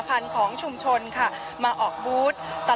พาคุณผู้ชมไปติดตามบรรยากาศกันที่วัดอรุณราชวรรมหาวิหารค่ะ